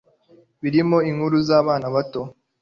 birimo inkuru z'abana bato